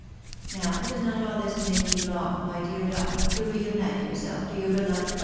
Now does not aU this make you long, my dear Donny, to reunite yourself to your beloved A OHKERING REPOET.